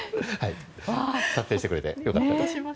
達成してくれてよかったです。